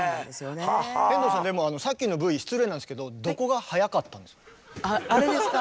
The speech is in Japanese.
天童さんでもさっきのＶ失礼なんですけどどこが速かったんですか？